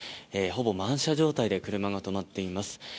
駐車場には、ほぼ満車状態で車が止まっています。